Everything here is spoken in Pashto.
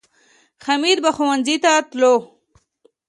حمید به ښوونځي ته تلو